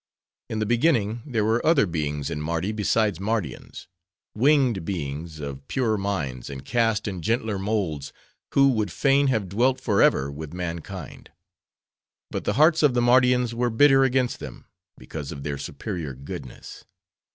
In the beginning, there were other beings in Mardi besides Mardians; winged beings, of purer minds, and cast in gentler molds, who would fain have dwelt forever with mankind. But the hearts of the Mardians were bitter against them, because of their superior goodness.